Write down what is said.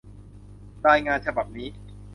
รายงานฉบับนี้